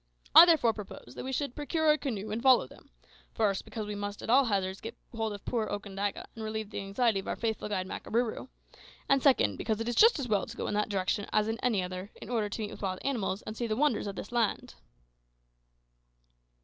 I therefore propose that we should procure a canoe and follow them: first, because we must at all hazards get hold of poor Okandaga, and relieve the anxiety of our faithful guide Makarooroo; and second, because it is just as well to go in that direction as in any other, in order to meet with wild animals, and see the wonders of this land."